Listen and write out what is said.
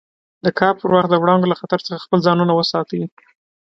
د کار پر وخت د وړانګو له خطر څخه خپل ځانونه وساتي.